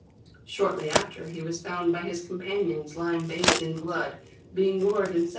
Shortly after, he was found by his companions, lying bathed in blood, being gored in several 17.